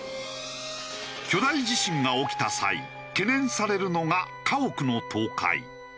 巨大地震が起きた際懸念されるのが家屋の倒壊。